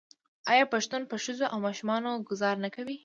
آیا پښتون په ښځو او ماشومانو ګذار نه کوي؟